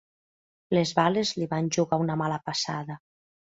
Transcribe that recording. Les bales li van jugar una mala passada.